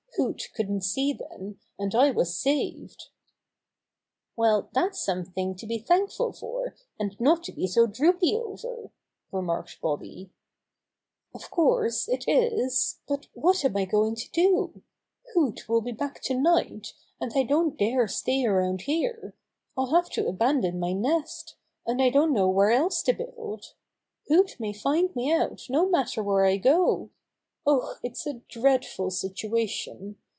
Hoot couldn't see then, and I was saved." 52 Bobby Gray Squirrel's Adventures "Well, that's something to be thankful for, and not to be so droopy over," remarked Bobby. "Of course, it is, but what am I going to do? Hoot will be back tonight, and I don't dare stay around here. I'll have to abandon my nest, and I don't know where else to build. Hoot may find me out no matter where I go. Oh, it's a dreadful situation!